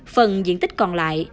phần diện tích còn lại